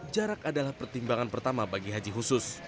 jarak adalah pertimbangan pertama bagi haji khusus